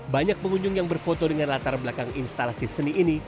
banyak pengunjung yang berfoto dengan latar belakang instalasi seni ini